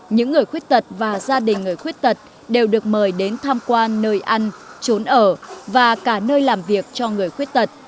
những người khuyết tật và gia đình người khuyết tật đều được mời đến tham quan nơi ăn trốn ở và cả nơi làm việc cho người khuyết tật